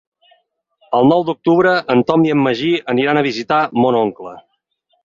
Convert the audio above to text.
El nou d'octubre en Tom i en Magí aniran a visitar mon oncle.